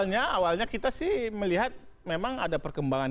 ya awalnya kita melihat memang ada perkembangan